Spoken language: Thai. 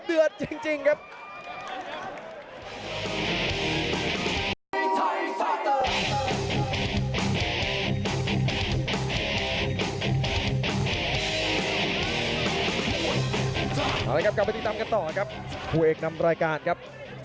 กระโดยสิ้งเล็กนี่ออกกันขาสันเหมือนกันครับ